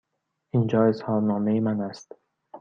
اینجا اظهارنامه من است.